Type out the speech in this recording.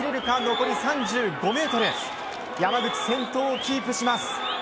残り３５ｍ山口、先頭をキープします。